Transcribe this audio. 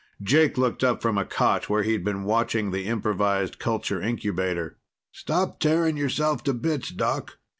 Jake looked up from a cot where he'd been watching the improvised culture incubator. "Stop tearing yourself to bits, Doc.